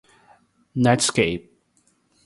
netscape